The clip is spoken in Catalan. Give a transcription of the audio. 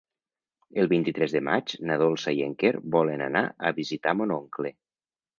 El vint-i-tres de maig na Dolça i en Quer volen anar a visitar mon oncle.